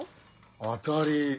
当たり。